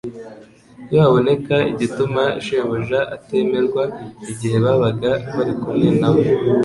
Iyo habonekaga igituma Shebuja atemerwa igihe babaga bari kumwe na we,